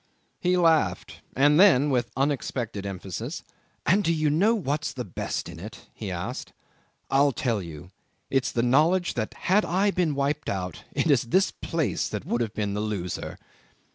He laughed, and then with unexpected emphasis, "And do you know what's the best in it?" he asked. "I'll tell you. It's the knowledge that had I been wiped out it is this place that would have been the loser."